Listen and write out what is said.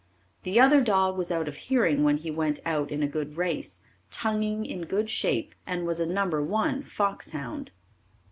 The other dog was out of hearing when he went out in a good race, tongueing in good shape, and was a No. 1 fox hound.